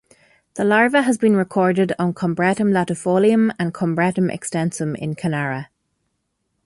The larva has been recorded on "Combretum latifolium" and "Combretum extensum" in Kanara.